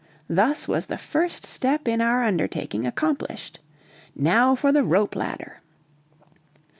Thus was the first step in our undertaking accomplished. Now for the rope ladder!